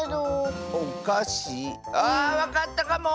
あわかったかも！